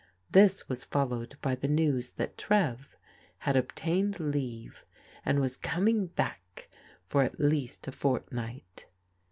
This was followed by the news that Trev had obtained leave and was coming back for at least a fortnight.